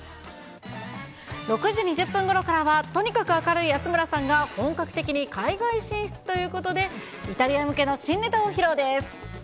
６時２０分ごろからは、とにかく明るい安村さんが、本格的に海外進出ということで、イタリア向けの新ネタを披露です。